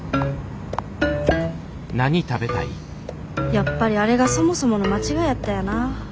やっぱりあれがそもそもの間違いやったんやな。